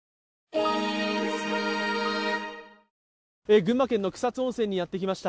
群馬県の草津温泉にやってきました。